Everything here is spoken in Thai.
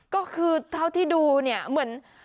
ก็คือเท่าที่ดูเนี่ยเหมือน